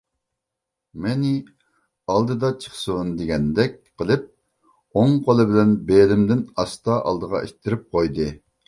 مېنى ئالدىدا چىقسۇن دېگەندەك قىلىپ ئوڭ قولى بىلەن بېلىمدىن ئاستا ئالدىغا ئىتتىرىپ قويدى.